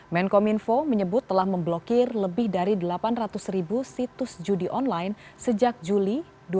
menkominfo menyebut telah memblokir lebih dari delapan ratus ribu situs judi online sejak juli dua ribu delapan belas